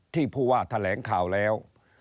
ผู้ว่าแถลงข่าวแล้ว